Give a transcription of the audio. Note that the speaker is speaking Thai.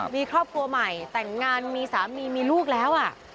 มีครอบครัวใหม่แต่งงานมีสามีมีลูกแล้ว